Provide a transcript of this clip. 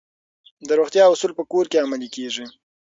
د روغتیا اصول په کور کې عملي کیږي.